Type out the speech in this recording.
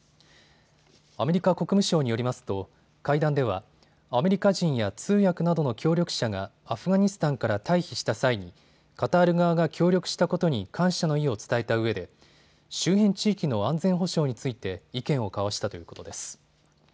アメリカ国務省によりますと会談ではアメリカ人や通訳などの協力者がアフガニスタンから退避した際にカタール側が協力したことに感謝の意を伝えたうえで周辺地域の安全保障について意見を交わしたということです。